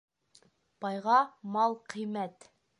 Байға мал ҡиммәт